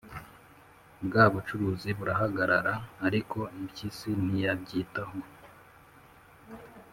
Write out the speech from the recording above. bwa bucuruzi burahagarara ariko impyisi ntiyabyitaho.